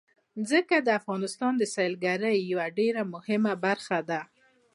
ځمکه د افغانستان د سیلګرۍ یوه ډېره مهمه برخه ده.